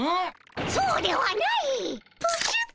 そうではないっ！